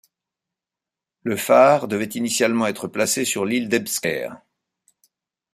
Le phare devait initialement être placé sur l'île d'Äbbskär.